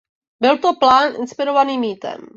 Byl to plán inspirovaný mýtem.